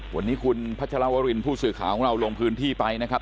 วันนี้คุณพัชรวรินผู้สื่อข่าวของเราลงพื้นที่ไปนะครับ